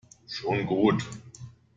Schon gut.